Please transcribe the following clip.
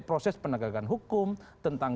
proses penegakan hukum tentang